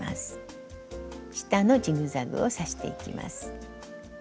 下のジグザグを刺していきます。